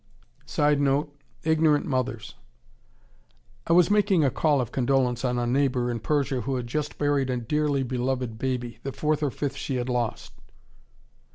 [Sidenote: Ignorant mothers.] I was making a call of condolence on a neighbor in Persia who had just buried a dearly loved baby, the fourth or fifth she had lost.